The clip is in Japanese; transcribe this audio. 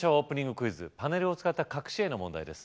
クイズパネルを使った隠し絵の問題です